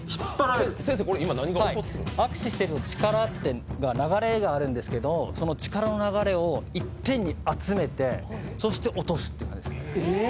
握手している力って流れがあるんですけどその力の流れを一点に集めてそして落とすという感じです。